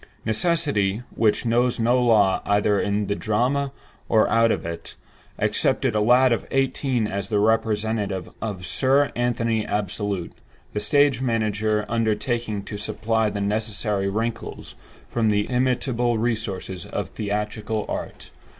Necessity, which knows no law, either in the drama or out of it, accepted a lad of eighteen as the representative of "Sir Anthony Absolute"; the stage manager undertaking to supply the necessary wrinkles from the illimitable resources of theatrical art.